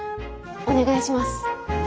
お願いします。